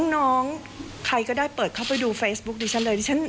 น้องใครก็ได้เปิดเข้าไปดูเฟซบุ๊คดิฉันเลย